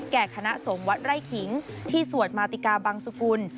คณะสงฆ์วัดไร่ขิงที่สวดมาติกาบังสุกุล